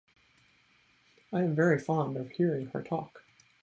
I am very fond of hearing her talk.